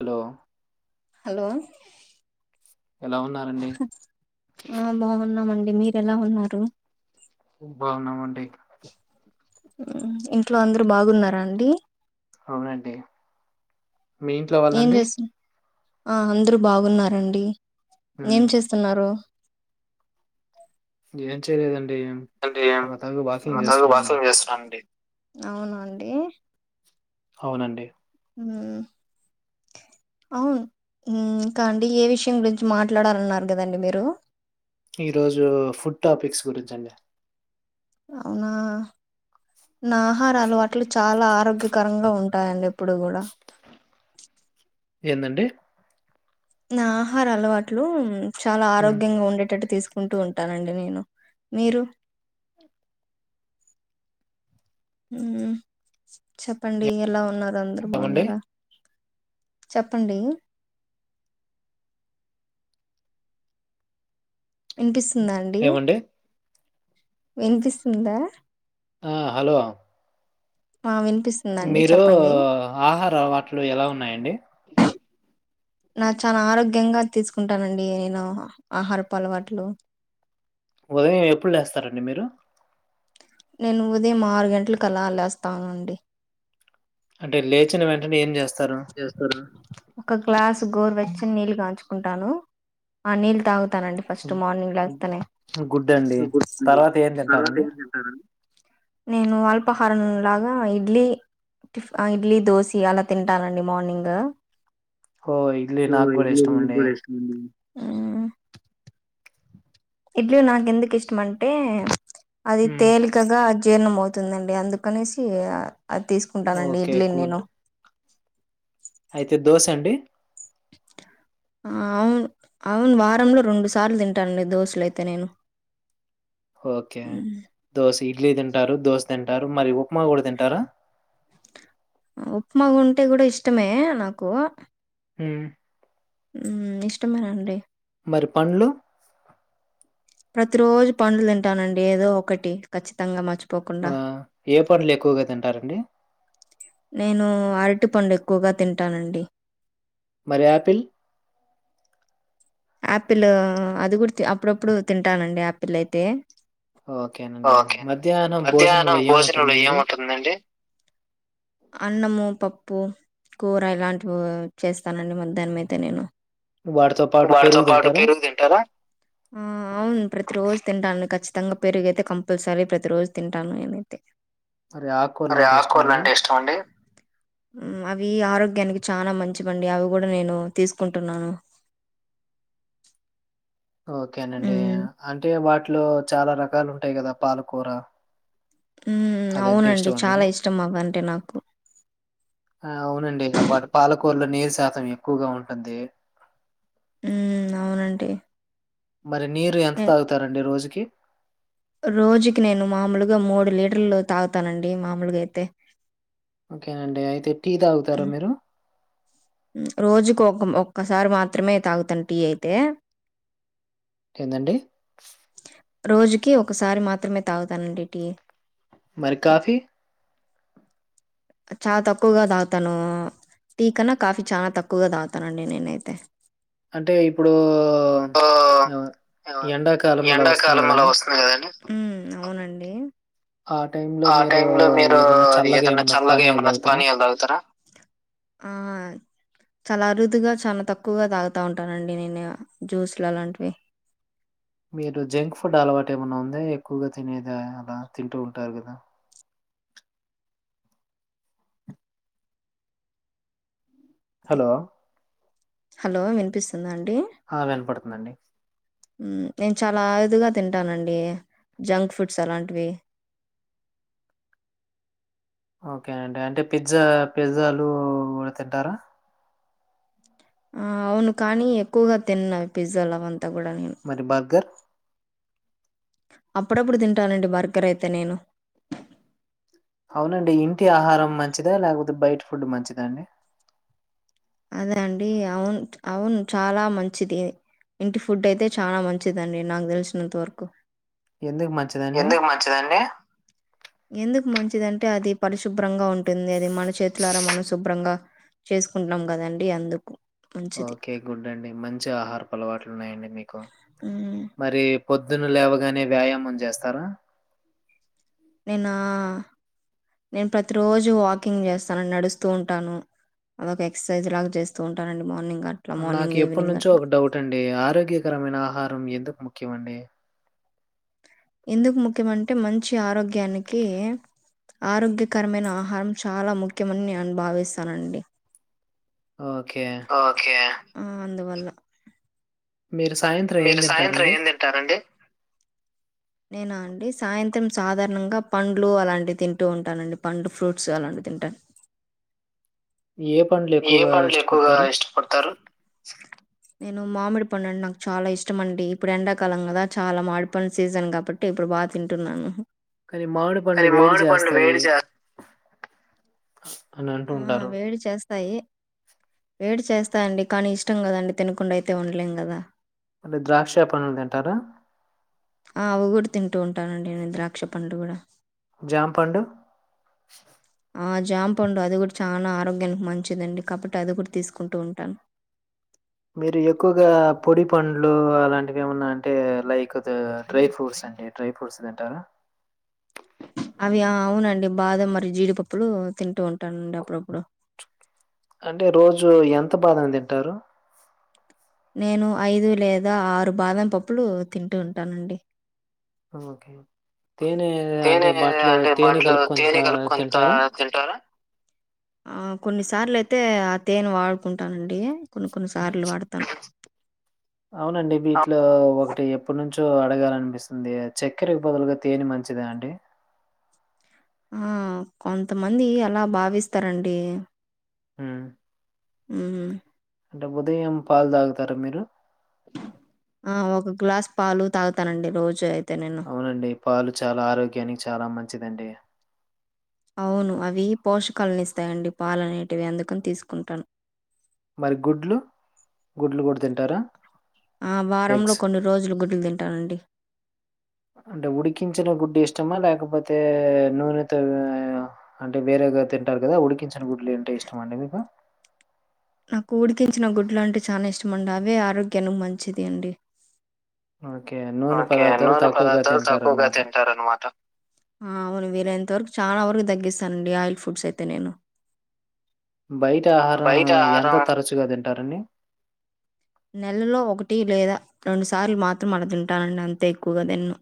Hello hello ఎలా ఉన్నారండి ఆ బాగున్నామండి మీరు ఎలా ఉన్నారు బాగున్నామండి ఇంట్లో అందరు బాగున్నారా అండి అవునండి మీ ఇంట్లో ఏం వాళ్ళండి? చేస్తు ఆ అందరు బాగున్నార్ అండి హ్మ్. ఏం చేస్తున్నారు ఏం చేయలేదండి ఎంటి సరదాగా వాకింగ్ చదువు చేస్తున్నానండి. [unintelligible] అవునా అండి అవునండి ఉ అవును ఇంకా అండి ఏ విషయం గురించి మాట్లాడాలన్నారు గదండి మీరు ఈ రోజు ఫుడ్ టాపిక్స్ గురించి అండి అవునా నా ఆహారా అలవాట్లు చాలా ఆరోగ్యకరంగా ఉంటాయిడి ఎప్పుడు గూడా ఏందండి నా ఆహార అలవాట్లు చాలా హ్మ్. ఆరోగ్యంగా ఉండేటట్టు తీసుక్ కుంటూ ఉంటానండి నేను మీరు చెప్పండి ఎలా ఉన్నార్ అందరు ఏమండి? బాగున్నారా చెప్పండి వినిపిస్తుందా అండి ఏమండి? వినిపిస్తుందా ఆ హలో ఆ వినిపిస్తుంది మీరు ఆహార అలవాట్లు ఎలా ఉన్నాయండి నాక్ చాలా ఆరోగ్యంగా తీసుకుంటానండి నేను ఆహారపు అలవాట్లు ఉదయం ఎప్పుడు లేస్తారండి మీరు నేను ఉదయం ఆరు గంటలకు అలాలేస్తానండి అంటే లేచిన వెంటనే ఏం చేస్తారు చేస్తారు ఒక గ్లాస్ గోరు వెచ్చని నీళ్ళు కాంచుకుంటాను ఆ నీళ్ళ తాగ్ గ్ తానండి ఫస్ట్ మార్నింగ్ లెగ్స్తానే గుడ్ అండి. తర్వాత ఏం సరే తింటారండి? నేను వాల్పాహారం లాగా ఇడ్లీ టీఫ్ ఇడ్లీ దోసీ అలా తింట తింటానండి మార్నింగ్ ఓహ్! ఇడ్లీ ఒ నాకు గూడా ఇడ్లీ మీ ఇష్టమండి. గూడా ఇష్టమ ఇడ్లీ నాకు ఎందుకు ఇష్టం అంటే అది హ్మ్. తేలి కగా జీర్ణం అవుతుందండి అందుకనేసి అది తీసుకుంటానండి ఓకే. ఇడ్లీ గుడ్. నేను అయితే దోశ అండి ఆ అవును అవును వారంలో రెండు సార్లు తింటానండి దోసలు అయితే నేను ఓకే మ్మ్. దోశ ఇడ్లీ తింటారు దోశ తింటారు మరి ఉప్మా గూడా తింటారా ఉప్మా ఉంటే కూడా ఇష్టమే నాకు ఉ ఊ ఇష్టమేనండి మరి పండ్లు ప్రతి రోజు పండ్లు తింటానండి ఏదో ఒకటి ఖచ్చితంగా మచ్ వా ఏ పండ్లు ఎక్కువగా తింటారండి నేను అరటి పండ్ ఎక్కువగా తింటానండి మరి యాపిల్ ఆపిలూ అది కూడ్ తి అప్పుడప్పుడు తింటానండి ఆపిల్ అయితే ఓకేనండి. ఓకే మధ్యాహ్నం భోజనంలో మధ్యాహ్నం భోజనంలో ఏముంటుందండి? ఏముంటుందండి అన్నము పప్పు కూర ఇలాంటివో చేస్తానండి మధ్యాహ్నం అయితే నేను వాడ్ తప్ వాడితో పాటు పెరుగు తింటారా ఆ అవున్ ప్రతి రోజ్ తింటాను ఖచ్చితంగా పెరుగయితే కంపల్సరీ ప్రతి రోజ్ తింటాన్ నేనైతే మరి అరే ఆకుకూరలంటే ఇష్టమండి? ఆకూరలంటే ఇష్టమండి ఉమ్ అవి ఆరోగ్యానికి చానా మంచివండి అవి గూడ నేను తీసుకుంటున్నాను ఓకేనండి హ్మ్. అంటే వాటిలో చాలా రకాలుంటాయి గదా పాలకూర ఊహ్మ్ అదంటే అవునండి ఇష్టమా చాలా మీకు? ఇష్టమవ్వంటే నాకు ఆ అవునండి అ వాటి పాలకూరిలో నీరు శాతం ఎక్కువగా ఉంటుంది ఊమ్ నవునంటి మరి నీరు ఎంత తాగుతారండి రోజుకి రోజుకి నేను మామూలుగా మూడు లీటర్లు తాగుతానండి మామూలుగయితే ఓకేనండి అయితే టీ దాగుతారా మీరు ఉం రోజుకు ఒక్కమ్ ఒక్కసారి మాత్రమే తాగుతన్ టీ అయితే ఏందండి రోజుకి ఒకసారి మాత్రమే తాగుతానండి టి మరి కాఫీ చా తక్కువగా తాగుతాను టీ కన్నా కాఫీ చాన తక్కువగా తాగుతానండి నేనైతే అంటే ఇప్పుడూ ఓ యవ ఎండాకాలం అలా వస్తుంది కదండి ఉమ్మ్ అవునండి ఆ టైం ఆ టైమ్ లో మీరు ఏదన్నా చల్లగా పానీయాలు ఏమన్నా తాగుతారా? పనీయాల్ దాగుతరా ఆహయ్ చాలా అరుదుగా చాన తక్కువగా తాగుతా ఉంటానండి నేనొ జ్యూస్లు అలాంటివి మీరు జంక్ ఫుడ్ అలవాట్ ఏమన్నా ఉంద ఎక్కువగా తినేద అలా తింటూ ఉంటారు గదా అయితే. హలో హలో వినిపిస్తుందా అండి అ వినపడుతుందండి ఉమ్ నేన్ చాలా ఆయుదుగా తింటానండి జంక్ ఫుడ్స్ అలాంటివి ఓకే అండి అంటే పిజ్జా పిజ్జాలు ఊడ తింటారా ఆ అవును కానీ ఎక్కువగా తిన్నావ్ పిజ్జల్ అవంతా గూడా ను మరి బర్గర్ అప్పుడప్పుడు తింటానండి మర్గర్ అయితే నేను అవునండి ఇంటి ఆహారం మంచిదా లేకపోతే బయట ఫుడ్ మంచిదా అండి అదే అండి అవున్ అవున్ చాలా మంచిది ఇంటి ఫుడ్ అయితే చానా మంచిదండి నాక్ దెలిసినంత వరకు ఎందుక్ మంచిదండి చ్చదండీ ఎందుకు మంచిదంటే అది పరిశుభ్రంగా ఉంటుంది అది మన చేతులారా మన శుభ్రంగా చేసుకున్నాం గదండి అందుకు మంచిది. ఓకే గుడ్ అండి మంచి ఆహారఅలవాట్లు ఉన్నాయండి మీకు హ్మ్. మరి పొద్దున లేవగానే వ్యాయామం చేస్తారా నేన్నా నేను ప్రతి రోజు వాకింగ్ చేస్తాను నడుస్తూ ఉంటాను అదొక ఎక్సైజ్ లాగ చేస్తూ ఉంటానండి మార్నింగ్ అట్లా నాకు మార్నింగ్ ఎప్పడి ఈవినింగ్ నుంచో అట్లా ఒక డౌట్ అండి ఆరోగ్యకరమైన ఆహారం ఎందుకు ముఖ్యమండి ఎందుకు ముఖ్యమంటే మంచి ఆరోగ్యానికి ఆరోగ్యకరమైన ఆహారం చాలా ముఖ్యమని అని నేను భావిస్తానండి ఓకే ఓకే ఉమ్ అందువల్ల మీరు సాయంత్రం ఏమ్ మీరు సాయంత్రం తింటారండి ఏం తింటారండి నేను అండి సాయంత్రం సాధారణంగా పండ్లు అలాంటివి తింటూ ఉంటాను అండి పండ్లు ఫ్రూట్స్ అలాంటివి తింటాను ఏ పండ్లు ఏ ఎక్కువగా పండ్లు ఎక్కువగా ఇష్టపడతారు? ఇష్టపడతారు చా నేను మామిడి పండు అంటే నాకు చాలా ఇష్టమండి ఇప్పుడు ఎండాకాలం కదా చాలా మామిడి పండ్లు సీజన్ కాబట్టి ఇప్పు బాగా తింటున్నాను కానీ మామిడి పండ్లు కానీ వేడి మామిడి పండ్లు వేడి చేస్తాయి అని అంటూ ఆ ఉంటారు. వేడి చేస్తాయి వస్తాయి వేడి చేస్తాండి కానీ ఇష్టం కదండి తినకుండా అయితే ఉండలేం కదా మీరు ద్రాక్ష పండ్లను తింటారా ఆ అవి కూడా తింటూ ఉంటానండి నేను ద్రాక్ష పండ్లు కూడా జాంపండు ఆ జాంపండు అది కూడా చాలా ఆరోగ్యానికి మంచిదండి కాబట్టి అది కూడా తీసుకుంటూ ఉంటాను మీరు ఎక్కువగా పొడి పండ్లు అలాంటివి ఏమన్నా అంటే లైక్ డ్రై ఫ్రూట్స్ అనెవి ఏ డ్రై ఫ్రూట్స్ తింటారా అవి అవునండి బాదం మరి జీడిపప్పులు తింటూ ఉంటానండి అప్పుడప్పుడు అంటే రోజు ఎంత బాదం తింటారు నేను ఐదు లేదా ఆరు బాదం పప్పులు తింటూ ఉంటానండి తేనె తేనె అంటే బాటిలో అంటే తేనె బాటిలో కలుపుకుని తేనె కలుపుకొని తా తింటారా తింటారా ఆ కొన్ని సార్లు అయితే ఆ తేనె వాడుకుంటానండి కొన్ని కొన్ని హ్మ్. సార్లు వాడతాను అవునండి ఆ! వీటిలో ఒకటి ఎప్పటినుంచో అడగాలనిపిస్తుంది చక్కెరకు బదులుగా తేన మంచిదా అండి ఆ కొంతమంది అలా భావిస్తారండి ఉమ్ ఉమ్ అంటే ఉదయం పాలు తాగుతారా మీరు ఆ ఒక గ్లాస్ పాలు తాగుతానండి రోజు అయితే నేను అవునండి పాలు చాలా ఆరోగ్యానికి చాలా మంచిదండి అవును అవి పోషకాలను ఇస్తాయండి పాలు అనేటివి అందుకని తీసుకుంటాను మరి గుడ్లు గుడ్లు కూడా తింటారా ఆ! వారంలో ఎగ్స్ కొన్ని రోజులు గుడ్లు తింటానండి అంటే ఉడికించిన గుడ్డు ఇష్టమా లేకపోతే నూనెతో అంటే వేరేగా తింటారు కదా ఉడికించిన గుడ్లు అంటే ఇష్టమా అండి మీకు నాకు ఉడికించిన గుడ్లు అంటే చానా ఇష్టం అండి అవే ఆరోగ్యానికి మంచిది అండి ఓకే అన్ ఓకే అన్ నూనె పదార్థాలు తక్కువగా తింటార అనమాట అవును వీలై అంత వరకు చాలా వరకు తగ్గిస్తానండి ఆయిల్ ఫుడ్స్ అయితే నేను బయట ఆహారం బయట ఎంత ఆహారం తరచుగా దింటారండి నెలలో ఒకటి లేదా రెండు సార్లు మాత్రం అల దింటానండి అంతే ఎక్కువగా దిన్ను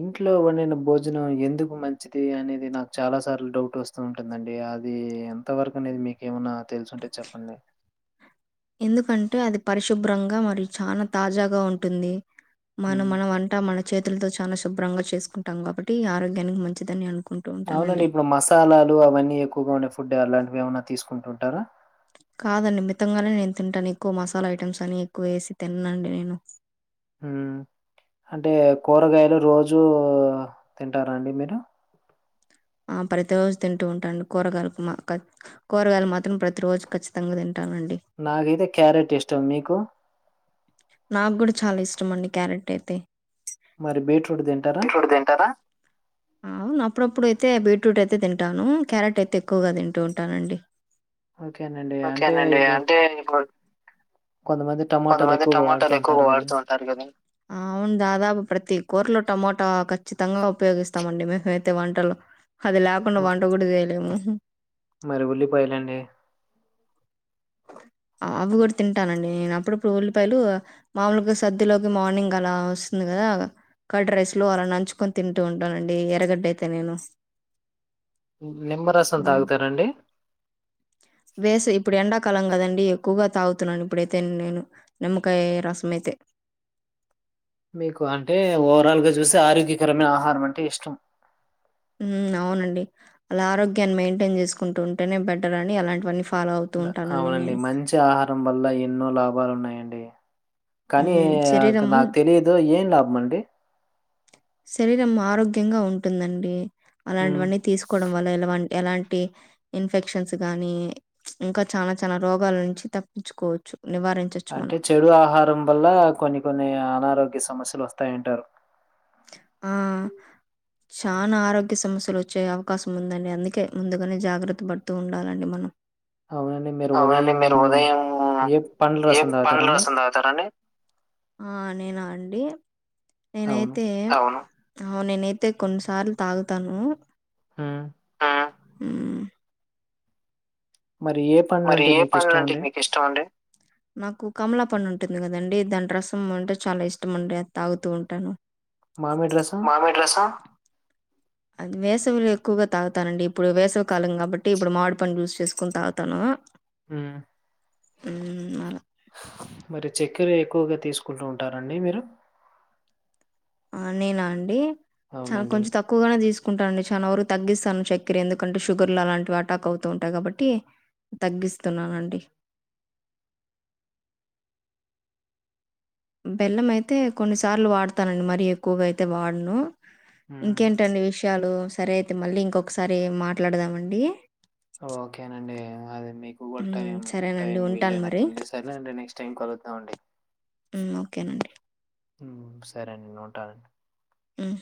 ఇంట్లో వొండిన భోజనం ఎందుకు మంచిది అనేది నాక్ చాలా సార్లు డౌటొస్ సు ఉంటుందండి అది ఎంత వరకనేది మీకేమన్న తెల్సుంటే చొప్పండి ఎందుకంటే అది పరిశుభ్రంగా మరి చాల తాజాగా ఉంటుంది మనం హ్మ్. మన వంట మన చేతుల్తో చాలా శుభ్రంగా చేస్కుంటాం గాబట్టీ ఆరోగ్యానికి మంచిదని అనుకుం అవ్నండి ఇబ్బుడు మసాలాలు అవన్నీ ఎక్కువగా ఉండే ఫుడ్డే అలాంటివి ఏమన్నా తీస్కుంటు ఉంటారా కాదండి మితంగానే నేన్ తింటాన్ ఎక్కువ మసాలా ఐటమ్స్ అని ఎక్కువేసి తిన్నండి నేను హూ హంటే కూరగాయలు రోజు తింటారా అండి మీరు ఆ ప్రతిరోజు తింటూ ఉంటాను కూరగాయ్ ల్ మా క కూరగాయిల్ మాత్రం ప్రతి రోజు ఖచ్చితంగా దింటానండి నాకైతే క్యారెట్ ఇష్టం మీకు నాగ్గుడ చాలా ఇష్టమండి క్యారెటైతే మరి బీట్రూట్ దింటారా రూడు దింటారా అవును అప్పుడప్పుడైతే బీట్రూట్ అయితే దింటాను క్యారెట్ అయితే ఎక్కువగా దింటూ ఉంటానండి ఓకేనండి. అంటే ఓకేనండి ఇప్పుడు అంటే ఇబ్బుడ్ కొంతమంది టమాటాలు కొంతమంది ఎక్కువగా వాడుతూ ఉంటారు టమొటాలెక్కువగా వాడుతూ గదండీ! వుంటారు గదా అవున్ దాదాపు ప్రతి కూర్లో టమోటా ఖచ్చితంగా ఉపయోగిస్తామండి మేమైతే వంటలొ హది ల్యాకుండ మ వంట గుడ జెయ్ లేము మరి ఉల్లిపోయ్లండి ఆ అవ్వి గుడా తింటానండి నేనప్పుడప్పుడు ఉల్లిపాయ్లు మామూల్గా సద్దిలోకి మార్నింగ్ అలా వొస్తుంది గదా కర్డ్ రైస్ లో అలా నంచుకొన్ తింటూ ఉంటానండి ఎరగడ్డైతే నేను నిమ్మరసం తాగుతారండి వేసే ఇప్పుడు ఎండాక్ కాలం గదండి ఎక్కువగా తాగుతున్నా నే నిప్పుడైతే నేను నిమ్మకాయ్ రసమైతే మీకు అంటే ఓవరాల్ గా జూసే ఆరోగ్యకరమై ఆహారం అంటే ఇష్టం ఊ అవునండి అలా ఆరోగ్యాన్ని మెయింటైన్ జేస్కుంటూ ఉంటెనే బెటరని అలాంటివన్నీ ఫాలో అవుతూ ఉంటానండి నేను తే ఆహారం వల్ల ఎన్నో లాభాలున్నాయండి కానీ ఉమ్ శరీరం నాక్ తెలియ దో ఏం లాబ్మండి శరీరం ఆరోగ్యంగా ఉంటుందండి హ్మ్ అలాంటివన్నీ తీస్ కోడం వల్ల ఎల్వాన్ ఎలాంటి ఇన్ఫెక్షన్స్ గాని ఇంకా చానా చానా రోగాల్ నుంచి తప్పించుకోచ్చు నివారించొచ్ అంటే చెడు ఆహారం వల్ల కొన్ని కొన్ని అనారోగ్య సమస్యలు వస్తాయంటారు ఆ చానా ఆరోగ్య సమస్యలొచ్చే అవకాశం ఉందండి అందుకే ముందుగానే జాగ్రత్త బడ్తూ ఉండాలండి మనం అవునండి మీరు అవునండి మీరు ఉదయమూ ఉదయం ఏ పండ్ల్ ఏ రసం పండ్ల దాగుతారండి రసం ఆ నేనా అండి అవును నేనైతే అహో నేనైతే కొన్నిసార్ల్ తాగుతాను హూ ఆ మరియే మరియే పండ్లంటే మీకు ఇష్టం అండి నాకు కమలాపండు ఉంటుంది కదండి దాని రసం అంటే చాలా ఇష్టం అండి అది తాగుతూ ఉంటాను మామిడి రసం మామిడి రసం అది వేసవిలో ఎక్కువగా తాగుతానండి ఇప్పుడు వేసవి కాలం కాబట్టి ఇప్పుడు మామిడి పండు జ్యూస్ చేసుకోని తాగుతాను హ్మ్ హ్మ్ అలా మరి చెక్కర ఎక్కువగా తీసుకుంటూ ఉంటారండి మీరు ఆ నేనా అండి చానా అవునండి కొంచెం తక్ క్కువగానే తీసుకుంటానండి చానా వరకు తగ్గిస్తాను చక్కెర ఎందుకంటే షుగర్లు అలాంటివి అటాక్ అవుతూ ఉంటాయి కాబట్టి తగ్గిస్తున్నానండి బెల్లం అయితే కొన్నిసార్లు వాడతానండి మరి ఎక్కువగా అయితే వాడను హ్మ్. ఇంకేంటండి విషయాలు సరే అయితే మళ్ళీ ఇంకొకసారి మాట్లాడదామండి ఓకేనండి అది మీ హ్మ్ సరేనండి ఉంటాను మరి తనేనండి నెక్స్ట్ టైం కలుద్దాం అండీ హ్మ్ ఓకేనండి హ్మ్ సరే అండి నేను ఉంటానండి హ్మ్